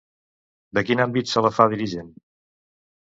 De quin àmbit se la fa dirigent?